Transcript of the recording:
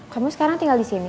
kamu sekarang tinggal disini